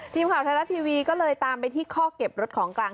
ทีมข่าวไทยรัฐทีวีก็เลยตามไปที่ข้อเก็บรถของกลาง